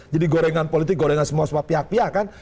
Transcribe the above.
jadi gorengan politik gorengan semua pihak pihak kan